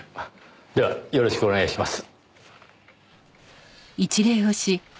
ではよろしくお願いします。